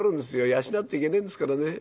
養っていけねえんですからね。